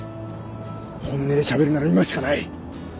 本音でしゃべるなら今しかない。